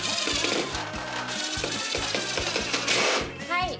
はい。